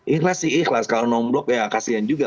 ikhlas sih ikhlas kalau nomblok ya kasihan juga